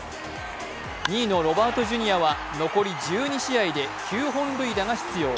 ２位のロバート・ジュニアや残り１２試合で９本塁打が必要。